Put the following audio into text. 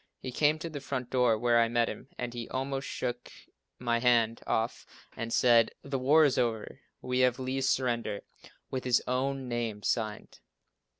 He came to the front door where I met him and he almost shook my hand off and said, "The war is over. We have Lee's surrender, with his own name signed."